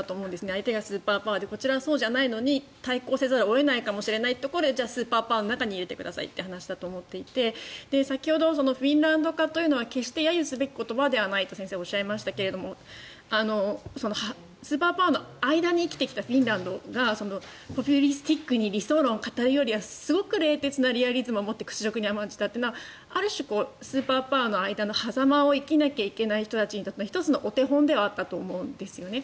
相手がスーパーパワーでこちらがそうじゃないのに対抗せざるを得ないかもしれないところでスーパーパワーに入れてくださいという話だと思っていて先ほどフィンランド化というのは決して揶揄すべき言葉ではないと先生はおっしゃいましたがスーパーパワーの間に生きてきたフィンランドがポピュリスティックに理想論を飾るよりはすごく冷徹なリアリズムをもって屈辱に甘んじたというのはスーパーパワーの間の狭間を生きなきゃいけない人たちにとっての１つのお手本ではあったと思うんですね。